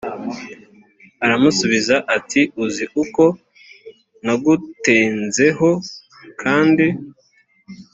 aramusubiza ati uzi uko nagutenzeho kandi